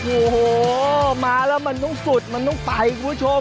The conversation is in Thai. โอ้โหมาแล้วมันต้องสุดมันต้องไปคุณผู้ชม